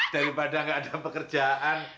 daripada nggak ada pekerjaan